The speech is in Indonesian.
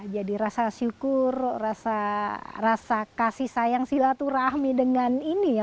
rasa syukur rasa kasih sayang silaturahmi dengan ini ya